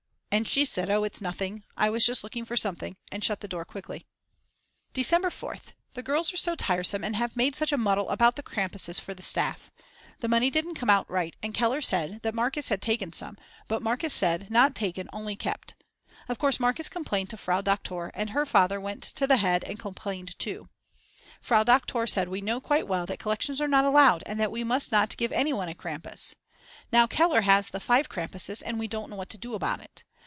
And she said: Oh, it's nothing, I was just looking for something, and shut the door quickly. December 4th. The girls are so tiresome and have made such a muddle about the Krampuses for the staff. The money didn't come out right and Keller said that Markus had taken some but Markus said not taken only kept. Of course Markus complained to Frau Doktor and her father went to the head and complained too. Frau Doktor said we know quite well that collections are not allowed and that we must not give any one a Krampus. Now Keller has the five Krampuses and we don't know what to do about it.